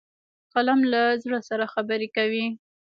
قلم له زړه سره خبرې کوي